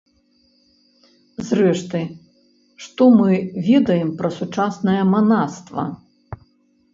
Зрэшты, што мы ведаем пра сучаснае манаства?